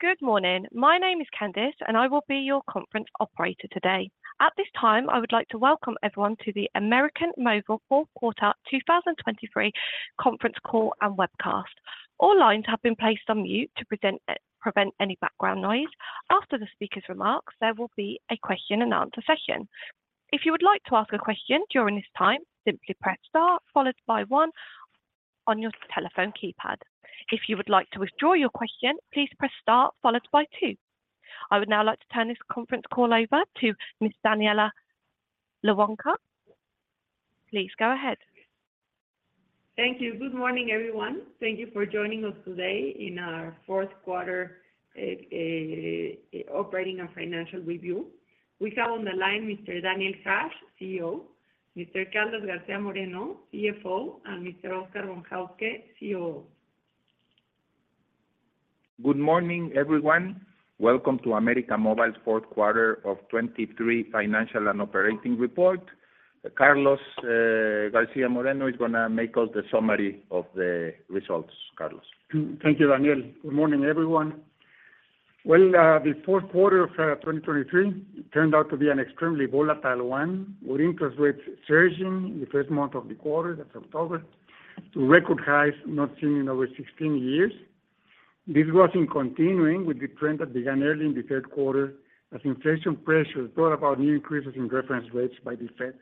Good morning. My name is Candice, and I will be your conference operator today. At this time, I would like to welcome everyone to the América Móvil fourth Quarter 2023 conference call and webcast. All lines have been placed on mute to present, prevent any background noise. After the speaker's remarks, there will be a question-and-answer session. If you would like to ask a question during this time, simply press star followed by one on your telephone keypad. If you would like to withdraw your question, please press star followed by two. I would now like to turn this conference call over to Ms. Daniela Lecuona. Please go ahead. Thank you. Good morning, everyone. Thank you for joining us today in our fourth quarter operating and financial review. We have on the line Mr. Daniel Hajj, CEO, Mr. Carlos García Moreno, CFO, and Mr. Óscar Von Hauske, COO. Good morning, everyone. Welcome to América Móvil's fourth quarter of 2023 financial and operating report. Carlos García Moreno is gonna make us the summary of the results. Carlos? Thank you, Daniel. Good morning, everyone. Well, the fourth quarter of 2023 turned out to be an extremely volatile one, with interest rates surging in the first month of the quarter, that's October, to record highs not seen in over 16 years. This was in continuing with the trend that began early in the third quarter, as inflation pressures brought about new increases in reference rates by the Fed.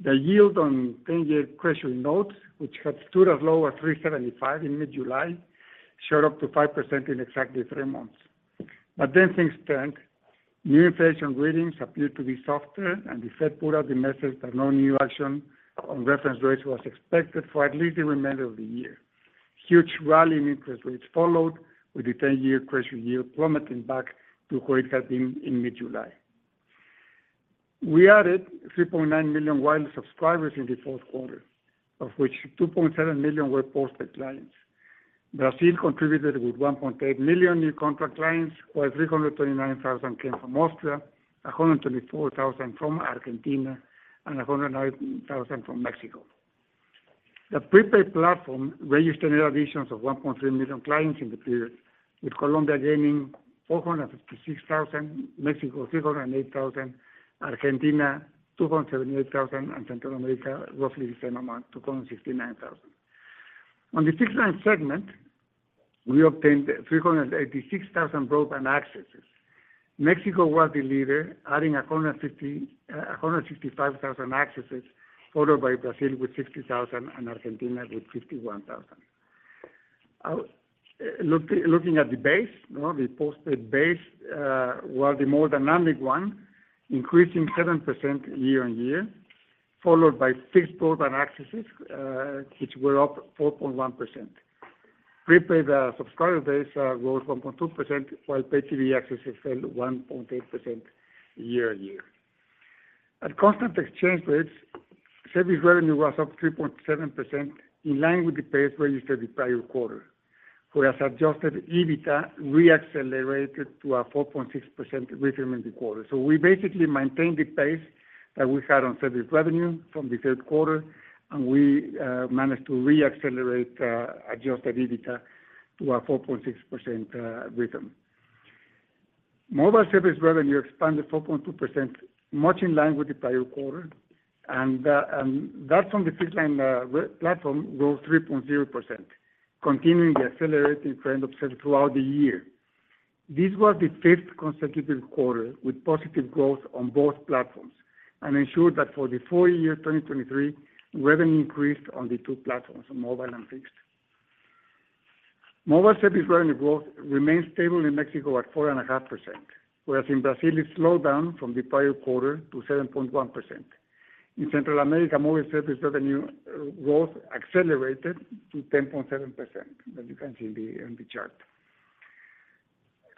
The yield on 10-year Treasury notes, which had stood as low as 3.75 in mid-July, shot up to 5% in exactly three months. But then things turned. New inflation readings appeared to be softer, and the Fed put out the message that no new action on reference rates was expected for at least the remainder of the year. Huge rally in interest rates followed, with the 10-year Treasury yield plummeting back to where it had been in mid-July. We added 3.9 million wireless subscribers in the fourth quarter, of which 2.7 million were postpaid clients. Brazil contributed with 1.8 million new contract clients, while 329,000 came from Austria, 124,000 from Argentina, and 100,000 from Mexico. The prepaid platform registered net additions of 1.3 million clients in the period, with Colombia gaining 456,000, Mexico 308,000, Argentina 278,000, and Central America roughly the same amount, 269,000. On the fixed line segment, we obtained 386,000 broadband accesses. Mexico was the leader, adding 150, 155,000 accesses, followed by Brazil with 60,000 and Argentina with 51,000. Look at the base, well, the postpaid base was the more dynamic one, increasing 7% year-on-year, followed by fixed broadband accesses, which were up 4.1%. Prepaid subscriber base grew 1.2%, while Pay TV accesses fell 1.8% year-on-year. At constant exchange rates, service revenue was up 3.7%, in line with the pace registered the prior quarter. Whereas adjusted EBITDA re-accelerated to a 4.6% rhythm in the quarter. So we basically maintained the pace that we had on service revenue from the third quarter, and we managed to re-accelerate adjusted EBITDA to a 4.6% rhythm. Mobile service revenue expanded 4.2%, much in line with the prior quarter, and, and that's from the fixed line platform, grew 3.0%, continuing the accelerating trend observed throughout the year. This was the fifth consecutive quarter with positive growth on both platforms and ensured that for the full year 2023, revenue increased on the two platforms, on mobile and fixed. Mobile service revenue growth remains stable in Mexico at 4.5%, whereas in Brazil, it slowed down from the prior quarter to 7.1%. In Central America, mobile service revenue growth accelerated to 10.7%, as you can see on the chart.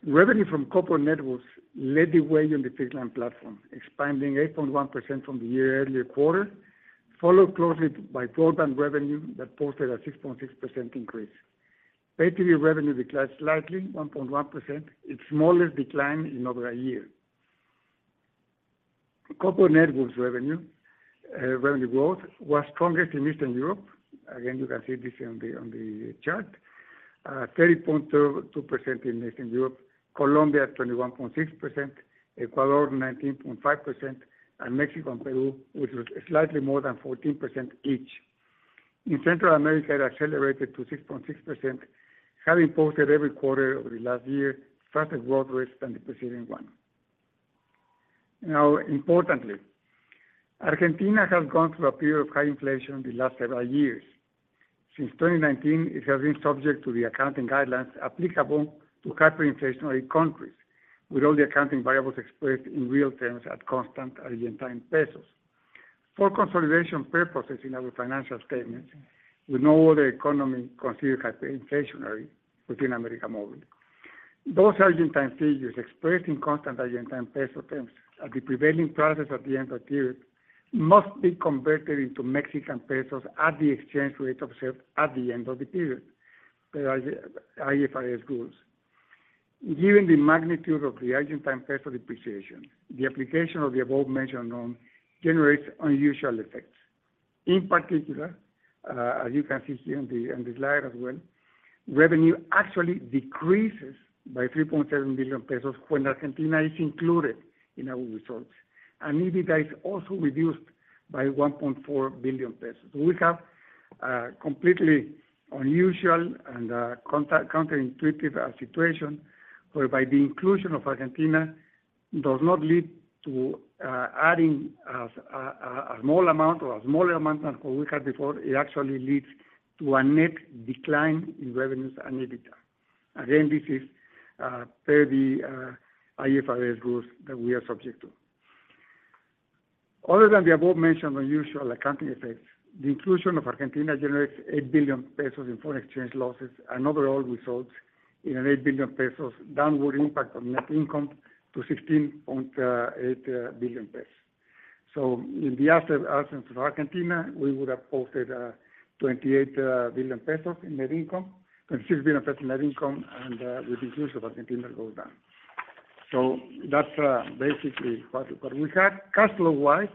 Revenue from corporate networks led the way on the fixed line platform, expanding 8.1% from the year earlier quarter, followed closely by broadband revenue that posted a 6.6% increase. Pay TV revenue declined slightly, 1.1%, its smallest decline in over a year. Corporate networks revenue growth was strongest in Eastern Europe. Again, you can see this on the chart. 32.2% in Eastern Europe, Colombia at 21.6%, Ecuador 19.5%, and Mexico and Peru, which was slightly more than 14% each. In Central America, it accelerated to 6.6%, having posted every quarter over the last year, faster growth rates than the preceding one. Now, importantly, Argentina has gone through a period of high inflation in the last several years. Since 2019, it has been subject to the accounting guidelines applicable to hyperinflationary countries, with all the accounting variables expressed in real terms at constant Argentine pesos. For consolidation purposes in our financial statements, with no other economy considered hyperinflationary within América Móvil, those Argentine figures expressed in constant Argentine peso terms at the prevailing prices at the end of the period, must be converted into Mexican pesos at the exchange rate observed at the end of the period per IFRS rules. Given the magnitude of the Argentine peso depreciation, the application of the above mentioned norm generates unusual effects. In particular, as you can see here on the slide as well, revenue actually decreases by 3.7 billion pesos when Argentina is included in our results. And EBITDA is also reduced by 1.4 billion pesos. We have completely unusual and counterintuitive situation, whereby the inclusion of Argentina does not lead to adding a small amount or a smaller amount than what we had before. It actually leads to a net decline in revenues and EBITDA. Again, this is per the IFRS rules that we are subject to. Other than the above-mentioned unusual accounting effects, the inclusion of Argentina generates 8 billion pesos in foreign exchange losses, and overall results in an 8 billion pesos downward impact on net income to 16.8 billion pesos. So in the absence of Argentina, we would have posted 28 billion pesos in net income, and 6 billion pesos net income, and with the use of Argentina goes down. So that's basically what we got. Cash flow-wise,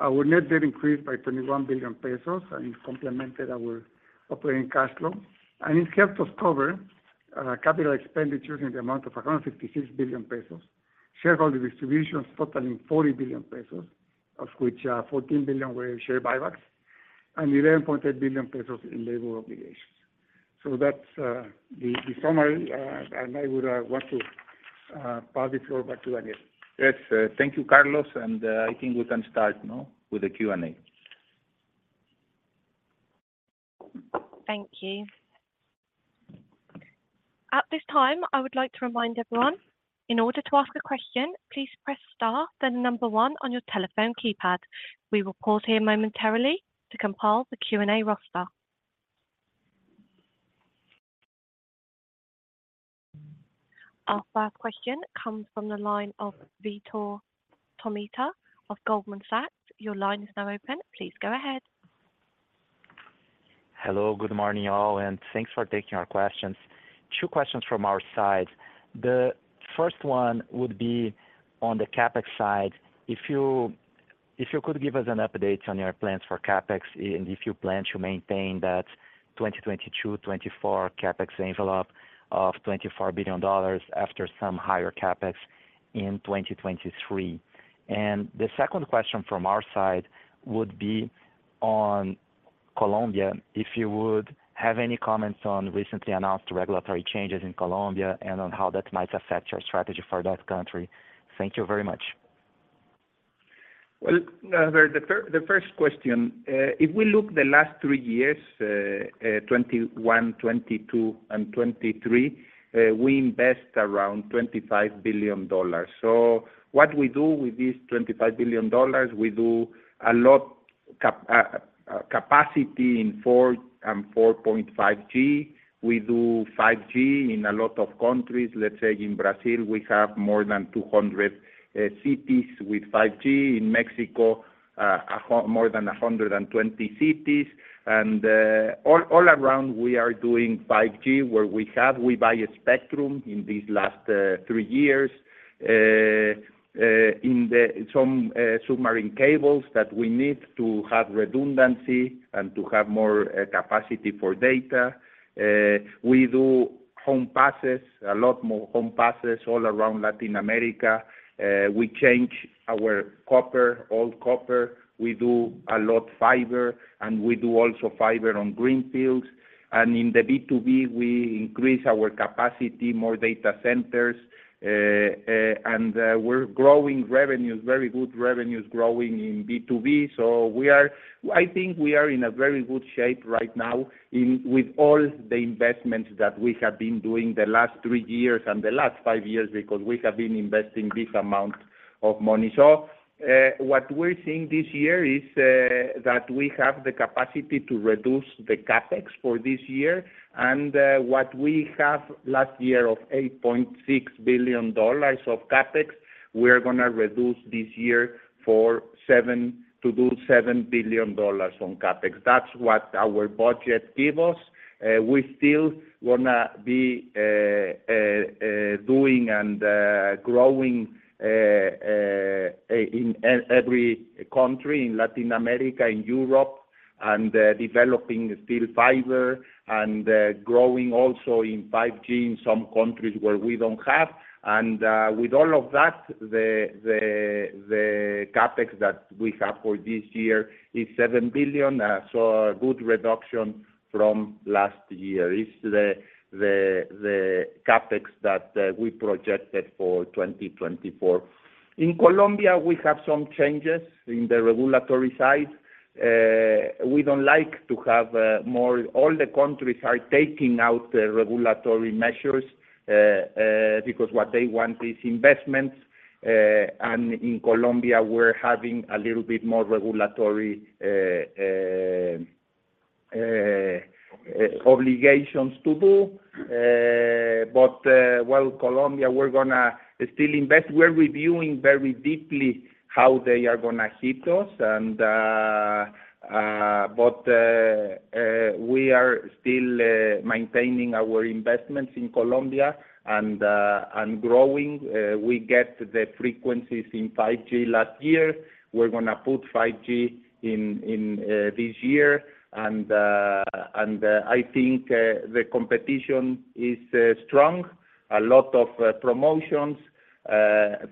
our net debt increased by 21 billion pesos, and it complemented our operating cash flow. And it helped us cover capital expenditures in the amount of around 56 billion pesos, shareholder distributions totaling 40 billion pesos, of which 14 billion were share buybacks, and 11.8 billion pesos in labor obligations. So that's the summary, and I would want to pass the floor back to you, again. Yes, thank you, Carlos, and I think we can start now with the Q&A. Thank you. At this time, I would like to remind everyone, in order to ask a question, please press star, then number one on your telephone keypad. We will pause here momentarily to compile the Q&A roster. Our first question comes from the line of Vitor Tomita of Goldman Sachs. Your line is now open. Please go ahead. Hello, good morning, all, and thanks for taking our questions. Two questions from our side. The first one would be on the CapEx side. If you, if you could give us an update on your plans for CapEx, and if you plan to maintain that 2022-2024 CapEx envelope of $24 billion after some higher CapEx in 2023. The second question from our side would be on Colombia, if you would have any comments on recently announced regulatory changes in Colombia and on how that might affect your strategy for that country. Thank you very much. Well, the first question, if we look the last three years, 2021, 2022, and 2023, we invest around $25 billion. So what we do with this $25 billion, we do a lot capacity in 4G and 4.5G. We do 5G in a lot of countries. Let's say in Brazil, we have more than 200 cities with 5G, in Mexico, more than 120 cities. And all around, we are doing 5G, where we have, we buy a spectrum in these last three years. Some submarine cables that we need to have redundancy and to have more capacity for data. We do home passes, a lot more home passes all around Latin America. We change our copper, all copper, we do a lot fiber, and we do also fiber on greenfields. In the B2B, we increase our capacity, more data centers. We're growing revenues, very good revenues growing in B2B. We are—I think we are in a very good shape right now, with all the investment that we have been doing the last three years and the last five years, because we have been investing this amount of money. What we're seeing this year is that we have the capacity to reduce the CapEx for this year. What we had last year of $8.6 billion of CapEx, we are gonna reduce this year to $7 billion on CapEx. That's what our budget gives us. We still wanna be doing and growing in every country, in Latin America, in Europe, and developing still fiber and growing also in 5G in some countries where we don't have. And with all of that, the CapEx that we have for this year is $7 billion. So a good reduction from last year is the CapEx that we projected for 2024. In Colombia, we have some changes in the regulatory side. We don't like to have more. All the countries are taking out the regulatory measures because what they want is investments. And in Colombia, we're having a little bit more regulatory obligations to do, but well, Colombia, we're gonna still invest. We're reviewing very deeply how they are gonna hit us, and, but we are still maintaining our investments in Colombia and growing. We get the frequencies in 5G last year. We're gonna put 5G in this year. I think the competition is strong, a lot of promotions,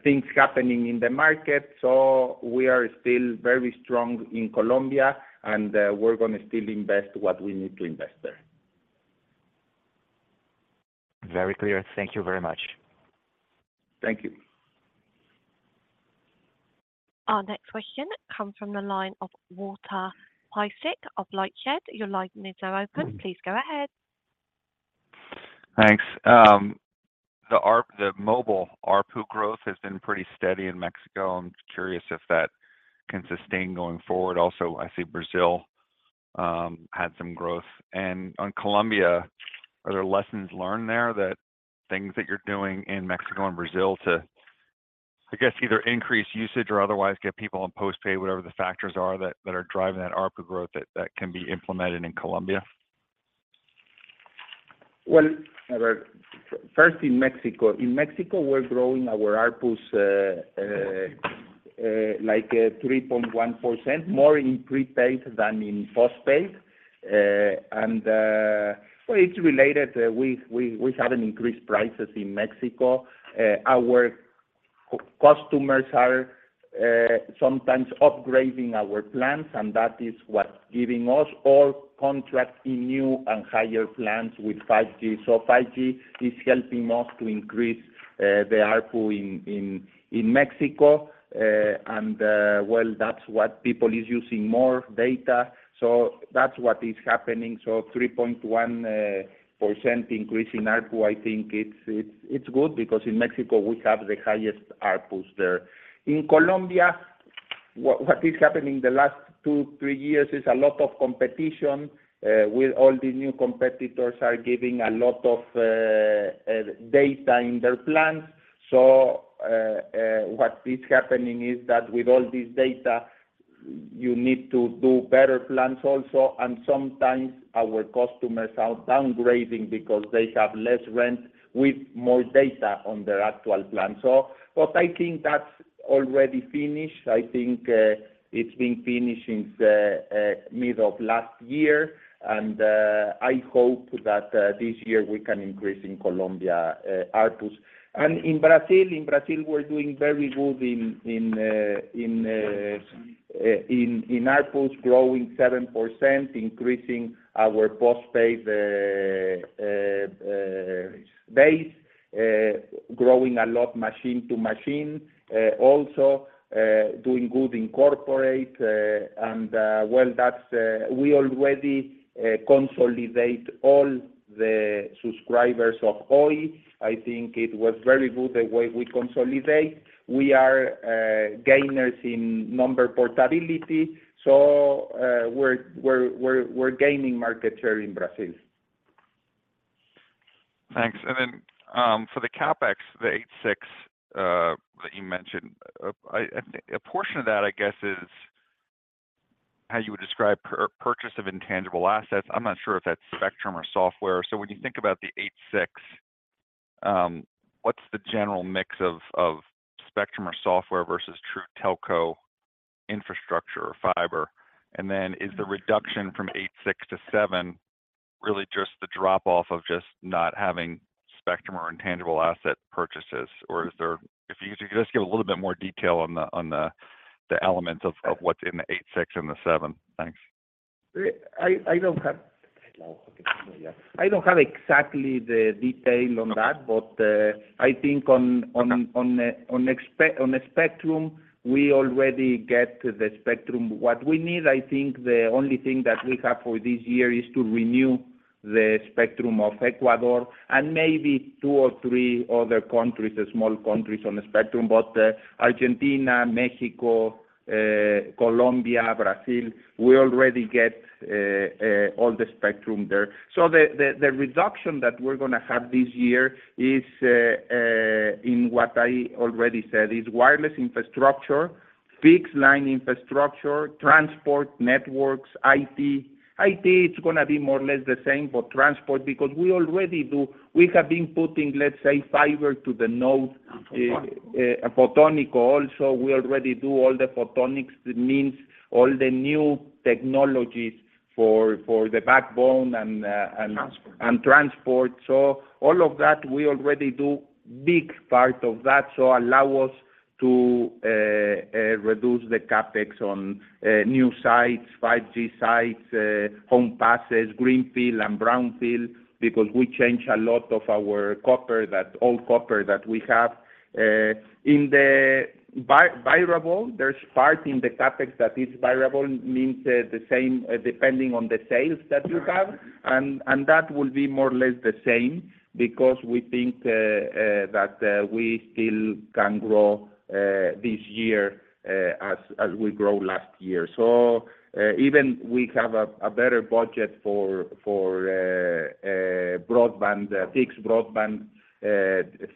things happening in the market. So we are still very strong in Colombia, and, we're gonna still invest what we need to invest there. Very clear. Thank you very much. Thank you. Our next question comes from the line of Walter Piecyk of LightShed. Your line is now open. Please go ahead. Thanks. The ARPU, the mobile ARPU growth has been pretty steady in Mexico. I'm curious if that can sustain going forward. Also, I see Brazil had some growth. And on Colombia, are there lessons learned there that things that you're doing in Mexico and Brazil to, I guess, either increase usage or otherwise get people on postpaid, whatever the factors are that are driving that ARPU growth that can be implemented in Colombia? Well, well, first, in Mexico. In Mexico, we're growing our ARPUs, like, 3.1%, more in prepaid than in postpaid. And, well, it's related, we haven't increased prices in Mexico. Our customers are sometimes upgrading our plans, and that is what's giving us all contracts in new and higher plans with 5G. So 5G is helping us to increase the ARPU in Mexico. And, well, that's what people is using more data. So that's what is happening. So 3.1% increase in ARPU, I think it's good because in Mexico, we have the highest ARPUs there. In Colombia, what is happening in the last two to three years is a lot of competition with all the new competitors giving a lot of data in their plans. So, what is happening is that with all this data, you need to do better plans also, and sometimes our customers are downgrading because they have less rent with more data on their actual plan. So but I think that's already finished. I think it's been finished since mid of last year, and I hope that this year we can increase in Colombia ARPUs. And in Brazil, in Brazil, we're doing very good in ARPUs, growing 7%, increasing our postpaid base, growing a lot machine to machine, also doing good in corporate, and well, that's we already consolidate all the subscribers of Oi. I think it was very good the way we consolidate. We are gainers in number portability, so we're gaining market share in Brazil. Thanks. And then, for the CapEx, the $8.6 billion, that you mentioned, I think a portion of that, I guess, is how you would describe purchase of intangible assets. I'm not sure if that's spectrum or software. So when you think about the $8.6 billion, what's the general mix of spectrum or software versus true telco infrastructure or fiber? And then is the reduction from $8.6 billion to $7 billion really just the drop off of just not having spectrum or intangible asset purchases, or is there...? If you could just give a little bit more detail on the elements of what's in the $8.6 billion and the $7 billion. Thanks. I don't have exactly the detail on that, but I think on spectrum, we already get the spectrum. What we need, I think the only thing that we have for this year is to renew the spectrum of Ecuador and maybe two or three other countries, the small countries on the spectrum. But Argentina, Mexico, Colombia, Brazil, we already get all the spectrum there. So the reduction that we're gonna have this year is, in what I already said, is wireless infrastructure, fixed-line infrastructure, transport networks, IT. IT, it's gonna be more or less the same for transport because we have been putting, let's say, fiber to the node, photonics also. We already do all the photonics. It means all the new technologies for the backbone and transport. So all of that, we already do big part of that, so allow us to reduce the CapEx on new sites, 5G sites, home passes, greenfield and brownfield, because we change a lot of our copper, that old copper that we have. In the variable, there's part in the CapEx that is variable, means the same, depending on the sales that you have. And that will be more or less the same, because we think that we still can grow this year, as we grow last year. So even we have a better budget for broadband, fixed broadband,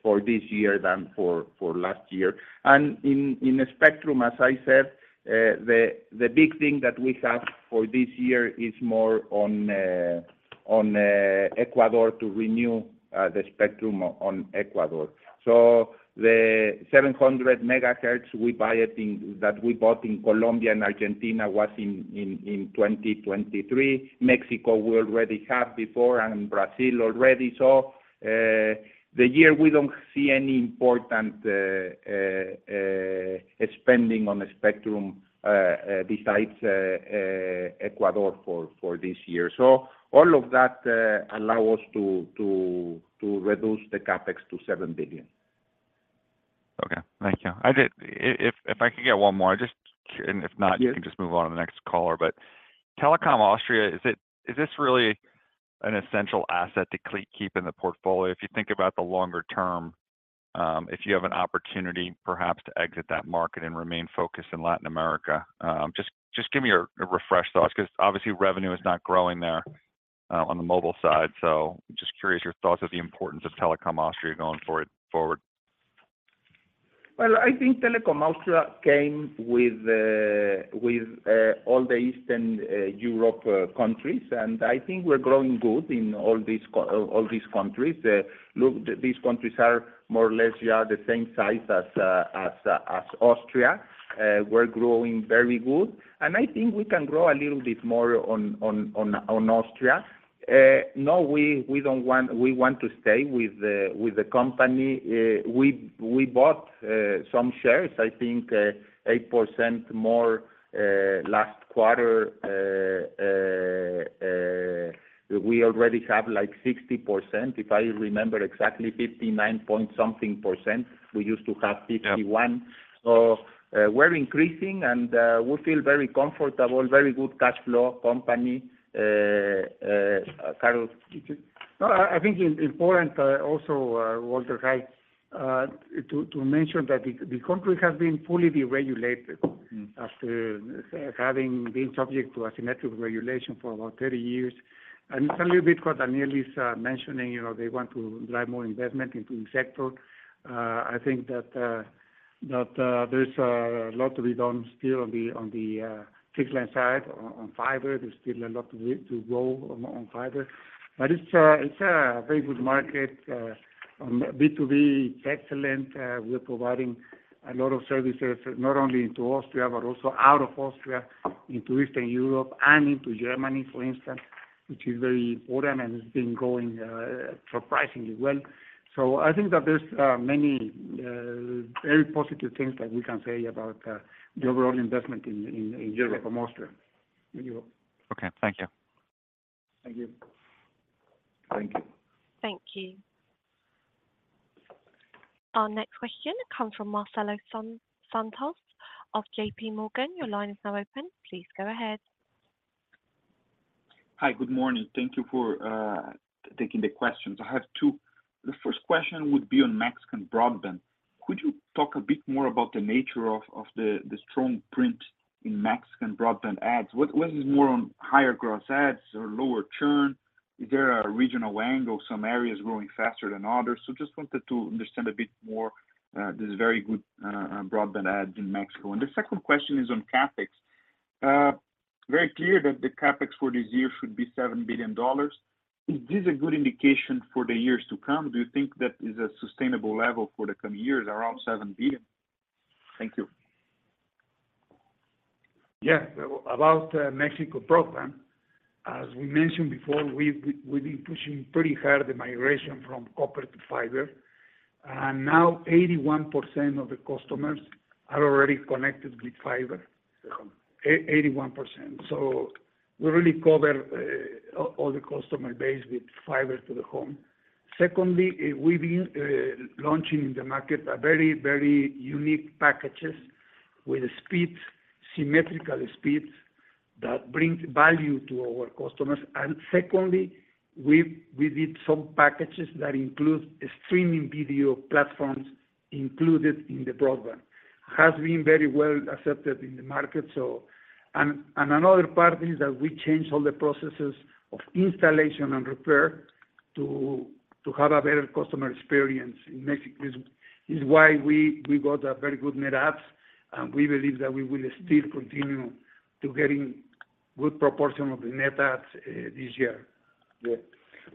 for this year than for last year. In the spectrum, as I said, the big thing that we have for this year is more on Ecuador to renew the spectrum on Ecuador. So the 700 MHz that we bought in Colombia and Argentina was in 2023. Mexico, we already have before, and Brazil already. So the year we don't see any important spending on the spectrum besides Ecuador for this year. So all of that allow us to reduce the CapEx to $7 billion. Okay, thank you. If I could get one more, just, and if not- Yes. You can just move on to the next caller. But Telekom Austria, is it, is this really an essential asset to keep in the portfolio? If you think about the longer term, if you have an opportunity perhaps to exit that market and remain focused in Latin America. Just, just give me your, your refresh thoughts, because obviously revenue is not growing there on the mobile side. So just curious your thoughts of the importance of Telekom Austria going forward, forward. Well, I think Telekom Austria came with all the Eastern Europe countries, and I think we're growing good in all these countries. Look, these countries are more or less, yeah, the same size as Austria. We're growing very good, and I think we can grow a little bit more on Austria. No, we don't want. We want to stay with the company. We bought some shares, I think, 8% more last quarter. We already have, like, 60%, if I remember exactly, 59%-something. We used to have 51%. Yeah. So, we're increasing, and we feel very comfortable, very good cash flow company, Carlos? No, I, I think it's important, also, Walter, right, to, to mention that the, the country has been fully deregulated after having been subject to a symmetric regulation for about 30 years. And it's a little bit what Daniel is mentioning, you know, they want to drive more investment into the sector. I think that there's a lot to be done still on the fixed line side, on fiber. There's still a lot to grow on fiber. But it's a very good market. On B2B, it's excellent. We're providing a lot of services, not only into Austria, but also out of Austria, into Eastern Europe and into Germany, for instance, which is very important, and it's been going surprisingly well. So I think that there's many very positive things that we can say about the overall investment in Europe or Austria. In Europe. Okay, thank you. Thank you. Thank you. Thank you. Our next question comes from Marcelo Santos of JPMorgan. Your line is now open. Please go ahead. Hi, good morning. Thank you for taking the questions. I have two. The first question would be on Mexican broadband. Could you talk a bit more about the nature of the strong print in Mexican broadband adds? What is more on higher gross adds or lower churn? Is there a regional angle, some areas growing faster than others? So just wanted to understand a bit more this very good broadband add in Mexico. And the second question is on CapEx. Very clear that the CapEx for this year should be $7 billion. Is this a good indication for the years to come? Do you think that is a sustainable level for the coming years, around $7 billion? Thank you. Yeah. About Mexico program, as we mentioned before, we've been pushing pretty hard the migration from copper to fiber, and now 81% of the customers are already connected with fiber. 81%. So we really cover all the customer base with fiber to the home. Secondly, we've been launching in the market a very, very unique packages with speed, symmetrical speeds that brings value to our customers. And secondly, we've, we did some packages that include streaming video platforms included in the broadband. Has been very well accepted in the market, so... And, and another part is that we changed all the processes of installation and repair to, to have a better customer experience in Mexico. It's why we got a very good net adds, and we believe that we will still continue to getting good proportion of the net adds this year. Yeah.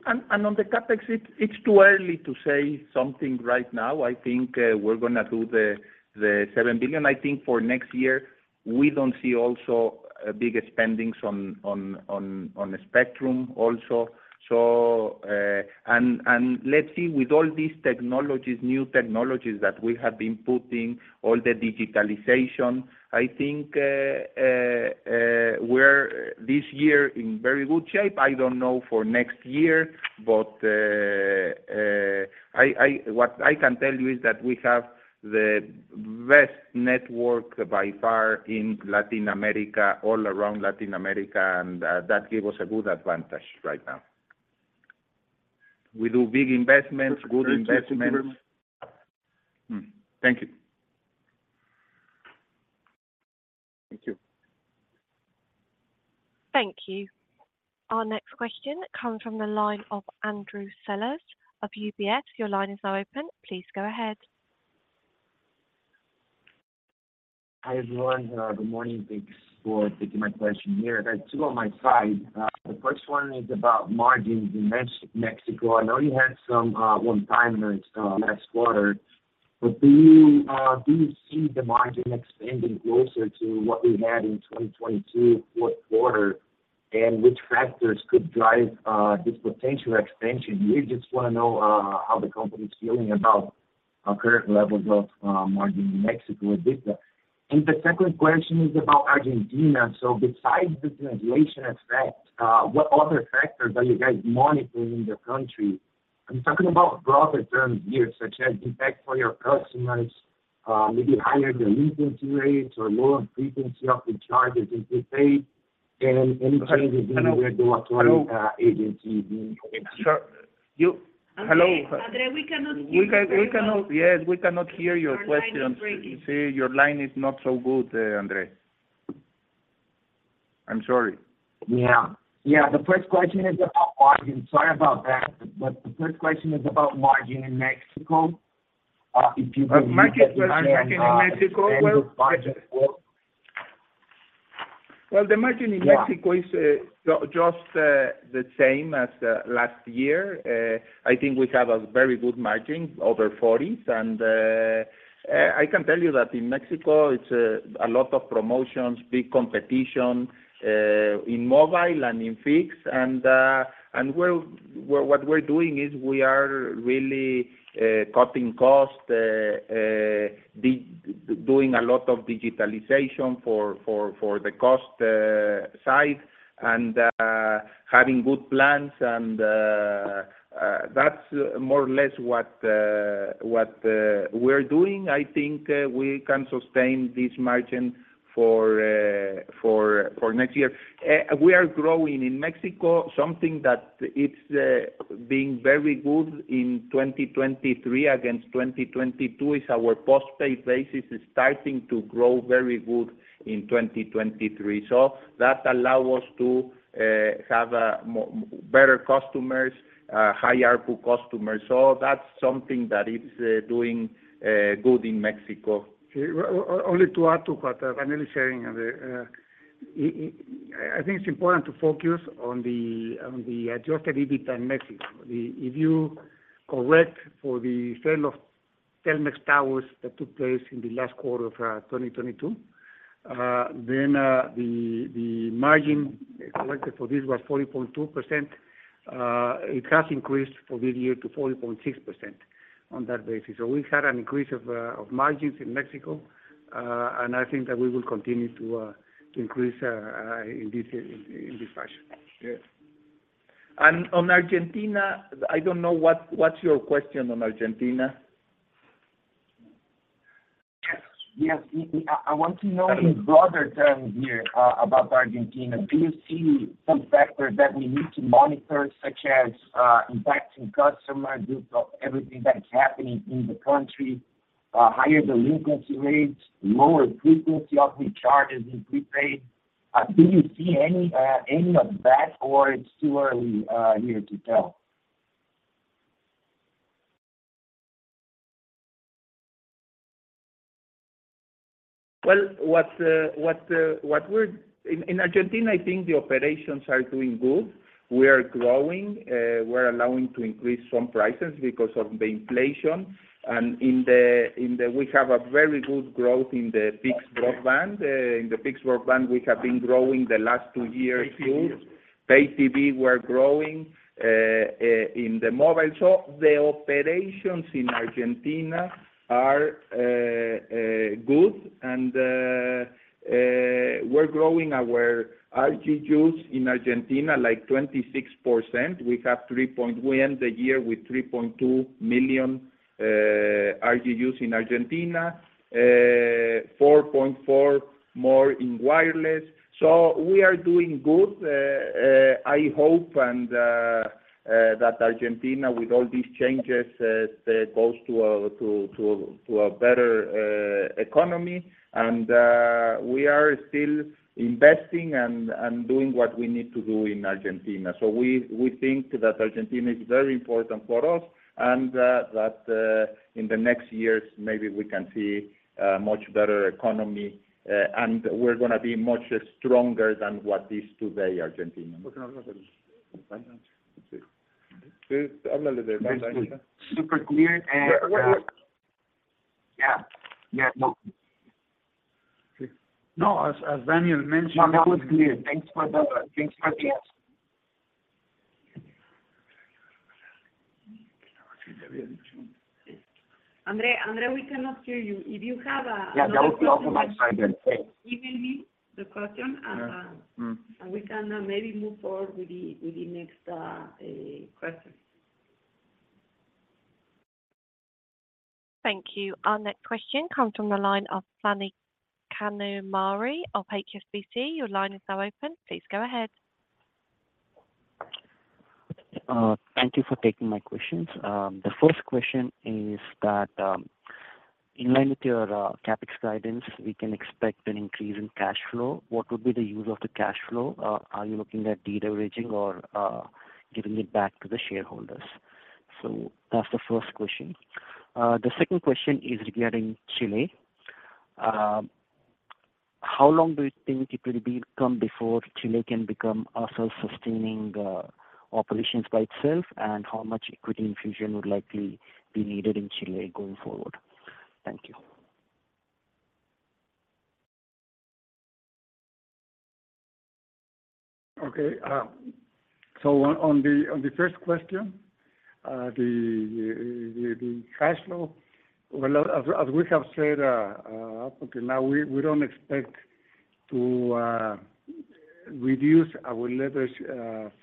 And on the CapEx, it's too early to say something right now. I think we're gonna do the $7 billion. I think for next year, we don't see also a big spendings on the spectrum also. So, and let's see, with all these technologies, new technologies that we have been putting, all the digitalization, I think we're this year in very good shape. I don't know for next year, but I what I can tell you is that we have the best network by far in Latin America, all around Latin America, and that give us a good advantage right now. We do big investments, good investments. Thank you very much. Thank you. Thank you. Thank you. Our next question comes from the line of Andres Coello of UBS. Your line is now open. Please go ahead. Hi, everyone. Good morning. Thanks for taking my question here. I got two on my side. The first one is about margins in Mexico. I know you had some one time last quarter, but do you see the margin expanding closer to what we had in 2022, fourth quarter? And which factors could drive this potential expansion? We just wanna know how the company is feeling about our current levels of margin in Mexico with this. And the second question is about Argentina. So besides the translation effect, what other factors are you guys monitoring in the country? I'm talking about broader terms here, such as impact on your customers, maybe higher delinquency rates or lower frequency of the charges in prepaid, and any changes in the regulatory agency. Sir, you... Hello. Andre, we cannot hear you very well. Yes, we cannot hear your question. Our line is breaking. See, your line is not so good, Andre. I'm sorry. Yeah. Yeah, the first question is about margin. Sorry about that. But the first question is about margin in Mexico. If you could repeat again, Margin in Mexico. Margin in Mexico. Well, the margin in Mexico is just the same as last year. I think we have a very good margin, over 40%. And I can tell you that in Mexico, it's a lot of promotions, big competition in mobile and in fixed. And what we're doing is we are really cutting costs, doing a lot of digitalization for the cost side, and having good plans, and that's more or less what we're doing. I think we can sustain this margin for next year. We are growing in Mexico, something that's being very good in 2023 against 2022, is our postpaid base is starting to grow very good in 2023. So that allow us to have more better customers, higher ARPU customers. So that's something that is doing good in Mexico. Only to add to what Daniel is saying, I think it's important to focus on the adjusted EBITDA in Mexico. If you correct for the sale of Telmex towers that took place in the last quarter of 2022, then the margin collected for this was 40.2%. It has increased for this year to 40.6% on that basis. So we had an increase of margins in Mexico, and I think that we will continue to increase in this fashion. Yes. On Argentina, I don't know, what, what's your question on Argentina? Yes. Yes, I want to know in broader terms here, about Argentina, do you see some factors that we need to monitor, such as, impacting customers due to everything that is happening in the country, higher delinquency rates, lower frequency of charges in prepaid? Do you see any of that, or it's too early here to tell? Well, what we're... In Argentina, I think the operations are doing good. We are growing. We're allowing to increase some prices because of the inflation. And in the, we have a very good growth in the fixed broadband. In the fixed broadband, we have been growing the last two years too. Pay TV, we're growing in the mobile. So the operations in Argentina are good, and we're growing our RGUs in Argentina, like 26%. We end the year with 3.2 million RGUs in Argentina, 4.4 more in wireless. So we are doing good. I hope that Argentina, with all these changes, goes to a better economy. We are still investing and doing what we need to do in Argentina. We think that Argentina is very important for us, and that in the next years, maybe we can see a much better economy, and we're gonna be much stronger than what is today, Argentina. Okay. Super clear and, yeah. Yeah, no. No, as Daniel mentioned, that was clear. Thanks for that. Thanks for that. Andre, Andre, we cannot hear you. If you have a- Yeah, that was my question. Email me the question, and we can maybe move forward with the next question. Thank you. Our next question comes from the line of Phani Kanumuri of HSBC. Your line is now open. Please go ahead. Thank you for taking my questions. The first question is that, in line with your CapEx guidance, we can expect an increase in cash flow. What would be the use of the cash flow? Are you looking at de-leveraging or giving it back to the shareholders? So that's the first question. The second question is regarding Chile. How long do you think it will become before Chile can become a self-sustaining operations by itself? And how much equity infusion would likely be needed in Chile going forward? Thank you. Okay, so on the first question, the cash flow, well, as we have said, up to now, we don't expect to reduce our leverage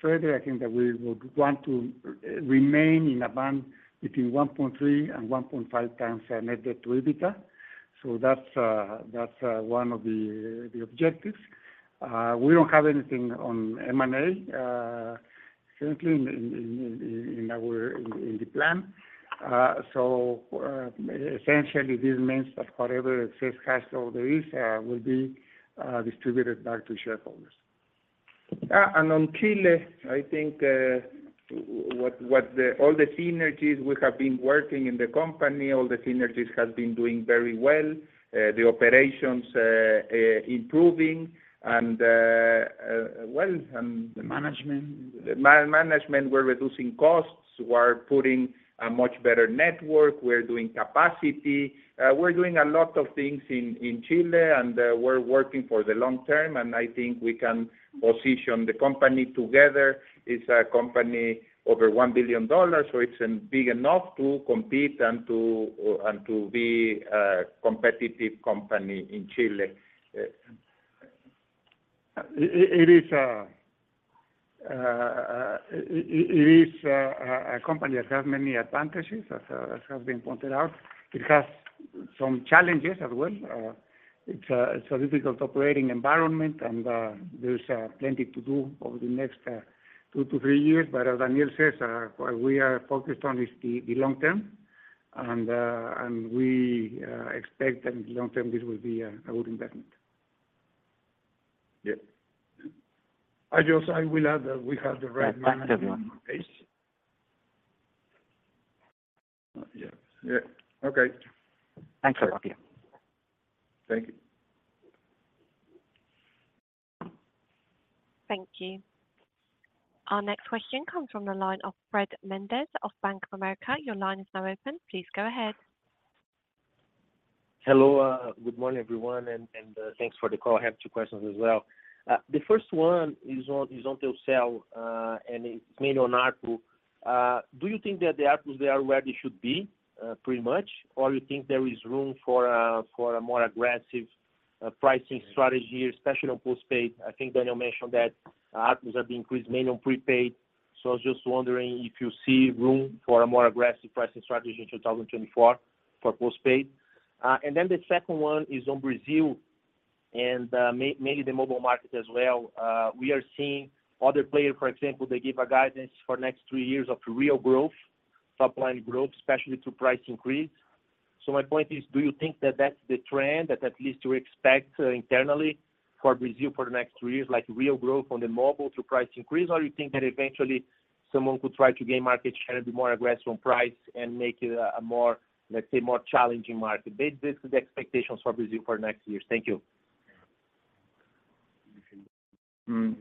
further. I think that we would want to remain in a band between 1.3x and 1.5x our net debt to EBITDA. So that's one of the objectives. We don't have anything on M&A currently in our plan. So essentially, this means that whatever excess cash flow there is will be distributed back to shareholders. And on Chile, I think what the... All the synergies we have been working in the company, all the synergies has been doing very well, the operations, improving and, well. The management. The management, we're reducing costs. We're putting a much better network. We're doing capacity. We're doing a lot of things in Chile, and we're working for the long term, and I think we can position the company together. It's a company over $1 billion, so it's big enough to compete and to be a competitive company in Chile. It is a company that has many advantages, as has been pointed out. It has some challenges as well. It's a difficult operating environment, and there's plenty to do over the next two to three years. But as Daniel says, what we are focused on is the long term, and we expect that in the long term, this will be a good investment. Yeah. I just, I will add that we have the right management in place. Yeah. Yeah. Okay. Thanks a lot. Yeah. Thank you. Thank you. Our next question comes from the line of Fred Mendes of Bank of America. Your line is now open. Please go ahead. Hello, good morning, everyone, and thanks for the call. I have two questions as well. The first one is on Telcel, and it's mainly on ARPU. Do you think that the ARPU, they are where they should be, pretty much? Or you think there is room for a more aggressive pricing strategy, especially on postpaid? I think Daniel mentioned that ARPU have been increased mainly on prepaid. So I was just wondering if you see room for a more aggressive pricing strategy in 2024 for postpaid. And then the second one is on Brazil and mainly the mobile market as well. We are seeing other players, for example, they give a guidance for next three years of real growth, top line growth, especially through price increase. So my point is, do you think that that's the trend that at least you expect internally for Brazil for the next three years, like real growth on the mobile through price increase? Or you think that eventually someone could try to gain market share and be more aggressive on price and make it a more, let's say, more challenging market? This is the expectations for Brazil for next year. Thank you.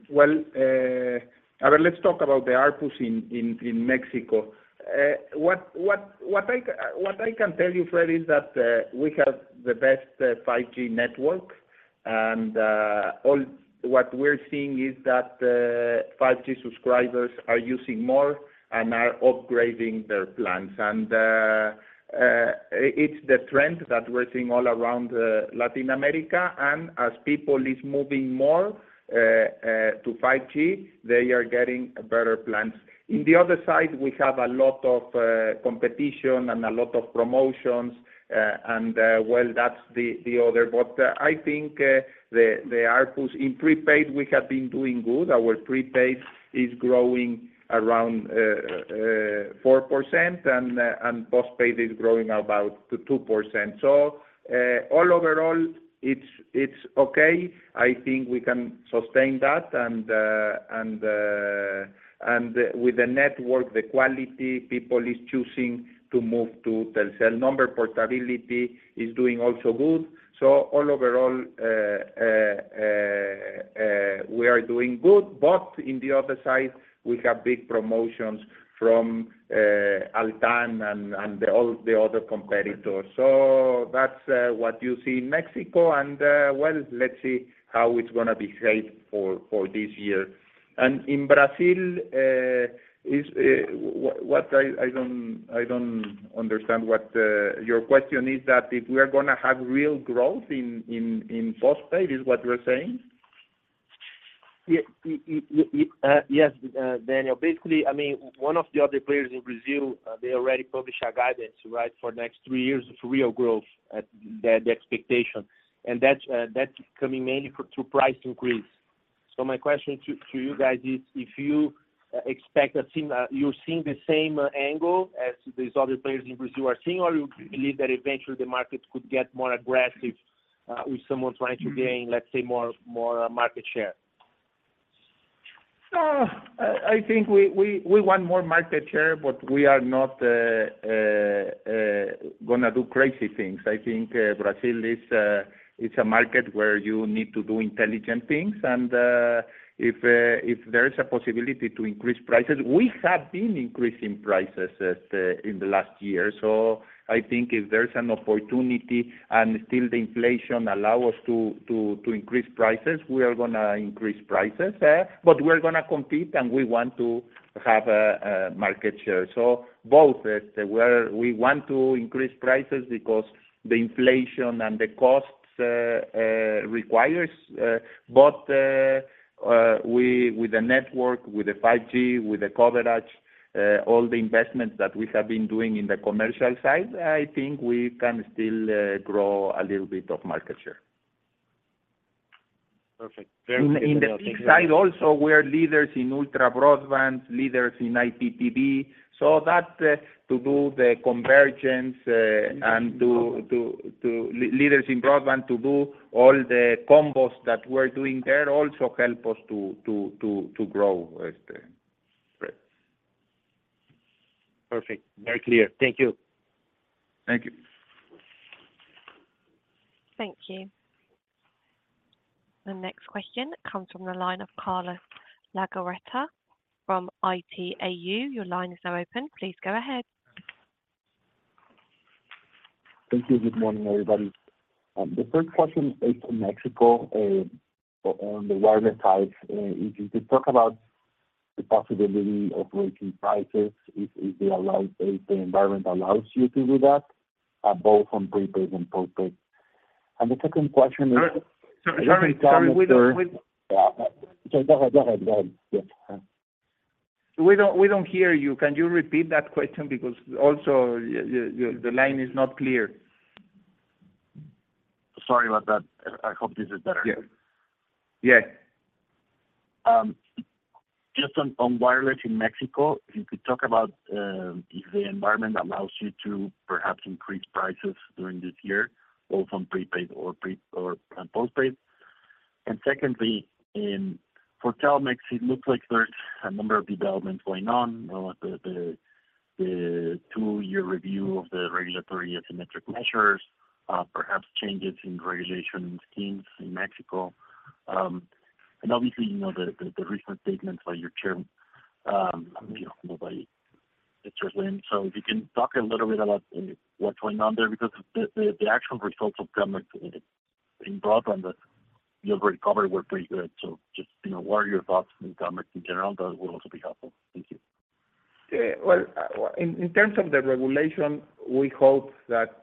Well, well, let's talk about the ARPUs in Mexico. What I can tell you, Fred, is that we have the best 5G network. What we're seeing is that 5G subscribers are using more and are upgrading their plans. And it's the trend that we're seeing all around Latin America, and as people is moving more to 5G, they are getting better plans. In the other side, we have a lot of competition and a lot of promotions, and well, that's the other. But I think the ARPUs in prepaid, we have been doing good. Our prepaid is growing around 4%, and postpaid is growing about to 2%. So all overall, it's okay. I think we can sustain that, and with the network, the quality, people is choosing to move to Telcel. Number portability is doing also good. So all overall, we are doing good, but in the other side, we have big promotions from Altan and all the other competitors. So that's what you see in Mexico, and well, let's see how it's gonna be shaped for this year. And in Brazil, is what I don't understand what your question is that if we are gonna have real growth in postpaid, is what you are saying? Yes, Daniel, basically, I mean, one of the other players in Brazil, they already published a guidance, right? For the next three years of real growth at the expectation, and that's coming mainly from through price increase. So my question to you guys is, if you expect the same, you're seeing the same angle as these other players in Brazil are seeing, or you believe that eventually the market could get more aggressive, with someone trying to gain, let's say, more market share? I think we want more market share, but we are not gonna do crazy things. I think Brazil is a market where you need to do intelligent things, and if there is a possibility to increase prices, we have been increasing prices in the last year. So I think if there's an opportunity and still the inflation allow us to increase prices, we are gonna increase prices. But we're gonna compete, and we want to have a market share. So both, where we want to increase prices because the inflation and the costs requires, but we, with the network, with the 5G, with the coverage, all the investments that we have been doing in the commercial side, I think we can still grow a little bit of market share. Perfect. Very clear. In the fixed side also, we are leaders in ultra broadband, leaders in IPTV. So that to do the convergence and to leaders in broadband, to do all the combos that we're doing there also help us to grow, as uh- Great. Perfect. Very clear. Thank you. Thank you. Thank you. The next question comes from the line of Carlos Legarreta from Itaú. Your line is now open. Please go ahead. Thank you. Good morning, everybody. The first question is in Mexico, on the wireless side. If you could talk about the possibility of raising prices, if, if they allow, if the environment allows you to do that, both on prepaid and postpaid. And the second question is- Sorry, sorry, sorry. We don't, we- Yeah. Sorry, go ahead. Go ahead. Go ahead. Yes. We don't, we don't hear you. Can you repeat that question? Because also, the line is not clear. Sorry about that. I hope this is better. Yeah. Yes. Just on wireless in Mexico, if you could talk about if the environment allows you to perhaps increase prices during this year, both on prepaid or and postpaid. And secondly, for Telmex, it looks like there's a number of developments going on with the two-year review of the regulatory asymmetric measures, perhaps changes in the regulation schemes in Mexico. And obviously, you know, the recent statements by your chairman, you know, notably, Mr. Slim. So if you can talk a little bit about what's going on there, because the actual results of Telmex in broadband, your recovery were pretty good. So just, you know, what are your thoughts on Telmex in general, that will also be helpful. Thank you. Well, in terms of the regulation, we hope that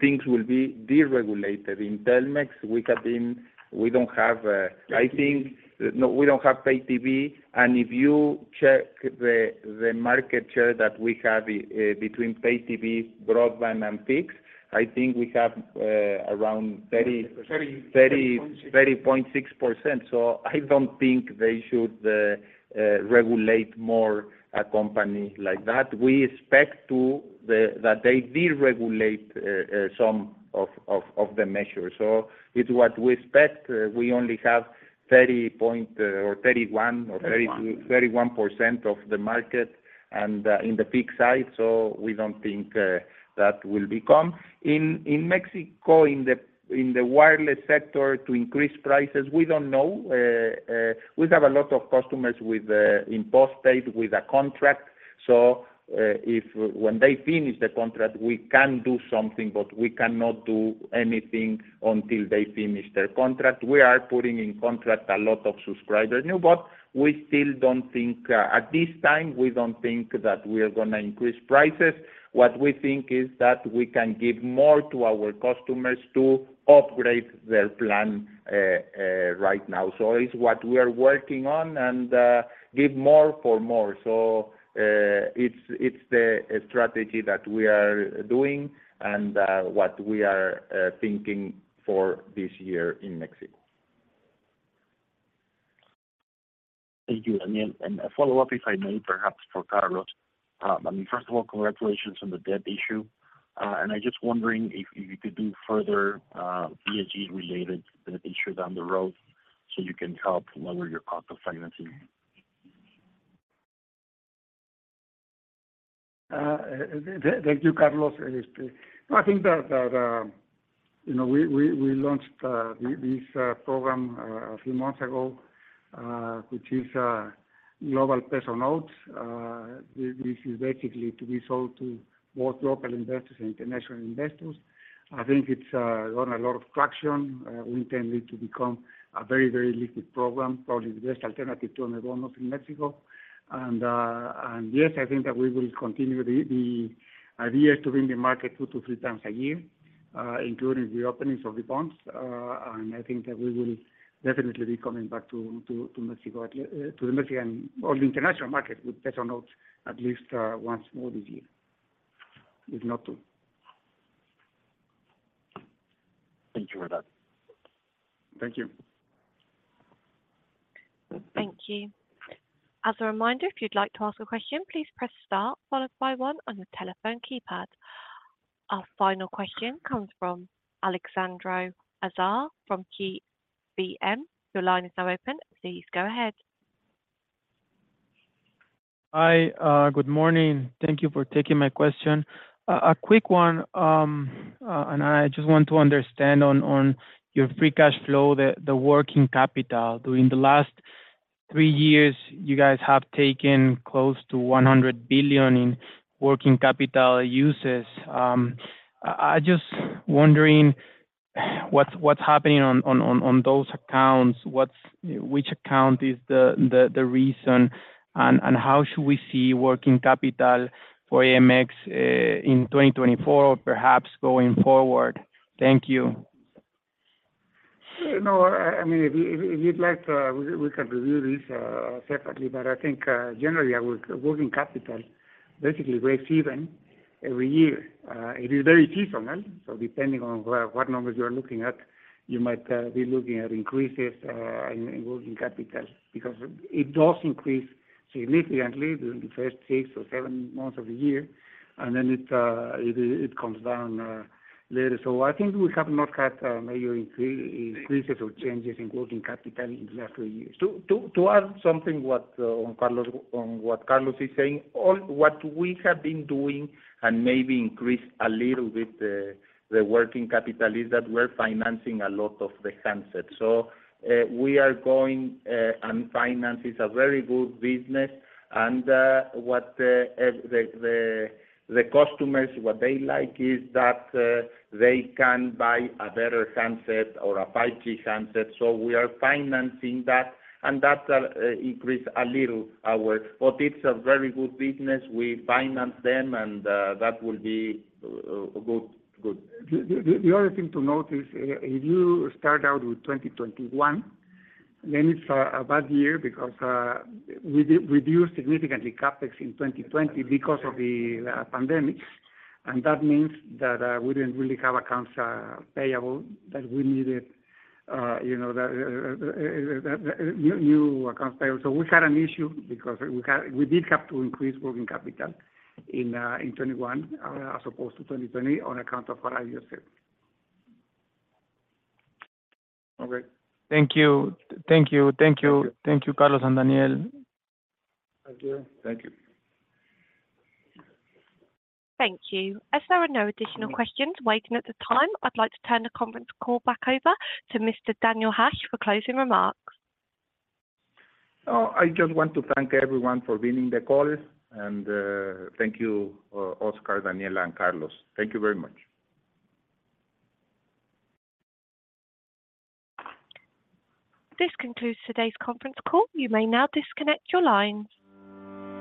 things will be deregulated in Telmex. We don't have, I think- Thank you. No, we don't have pay TV, and if you check the market share that we have, I between pay TV, broadband, and fixed, I think we have around 30- 30- 30- 30.6%. 30.6%, so I don't think they should regulate more a company like that. We expect that they deregulate some of the measures. So with what we expect, we only have 30%, or 31% or- 31%... 31% of the market and, in the fixed side, so we don't think that will become. In Mexico, in the wireless sector to increase prices, we don't know. We have a lot of customers with, in postpaid with a contract, so, if when they finish the contract, we can do something, but we cannot do anything until they finish their contract. We are putting in contract a lot of subscribers now, but we still don't think, at this time, we don't think that we are gonna increase prices. What we think is that we can give more to our customers to upgrade their plan, right now. So it's what we are working on and, give more for more. It's the strategy that we are doing and what we are thinking for this year in Mexico. Thank you. And then a follow-up, if I may, perhaps for Carlos. I mean, first of all, congratulations on the debt issue. And I'm just wondering if, if you could do further ESG-related issues down the road, so you can help lower your cost of financing? Thank you, Carlos. I think that you know, we launched this program a few months ago, which is Global Peso Notes. This is basically to be sold to more local investors and international investors. I think it's grown a lot of traction. We intend it to become a very, very liquid program, probably the best alternative to Bonos in Mexico. And yes, I think that we will continue the idea to be in the market 2x-3xa year.... including the openings of the bonds. And I think that we will definitely be coming back to Mexico, at least, to the Mexican or the international market with better notes, once more this year, if not two. Thank you for that. Thank you. Thank you. As a reminder, if you'd like to ask a question, please press star followed by one on your telephone keypad. Our final question comes from Alejandro Azar from GBM. Your line is now open. Please go ahead. Hi, good morning. Thank you for taking my question. A quick one, and I just want to understand on, on your free cash flow, the, the working capital. During the last three years, you guys have taken close to 100 billion in working capital uses. I just wondering, what's, what's happening on, on, on, on those accounts? What's. Which account is the, the, the reason, and, and how should we see working capital for AMX in 2024 or perhaps going forward? Thank you. You know, I mean, if you'd like to, we can review this separately, but I think generally, our working capital basically breaks even every year. It is very seasonal, so depending on where, what numbers you are looking at, you might be looking at increases in working capital. Because it does increase significantly during the first six or seven months of the year, and then it comes down later. So I think we have not had major increases or changes in working capital in the last two years. To add something what on Carlos, on what Carlos is saying. All what we have been doing and maybe increase a little with the working capital is that we're financing a lot of the handsets. So we are going and finance is a very good business, and what the customers what they like is that they can buy a better handset or a 5G handset. So we are financing that, and that increase a little our... But it's a very good business. We finance them, and that will be good. Good. The other thing to note is, if you start out with 2021, then it's a bad year because we reduced significantly CapEx in 2020 because of the pandemic, and that means that we didn't really have accounts payable that we needed, you know, the new accounts payable. So we had an issue because we had we did have to increase working capital in 2021 as opposed to 2020, on account of what I just said. Okay. Thank you. Thank you. Thank you. Thank you. Thank you, Carlos and Daniel. Thank you. Thank you. Thank you. As there are no additional questions waiting at the time, I'd like to turn the conference call back over to Mr. Daniel Hajj for closing remarks. I just want to thank everyone for being in the call, and thank you, Óscar, Daniel, and Carlos. Thank you very much. This concludes today's conference call. You may now disconnect your lines.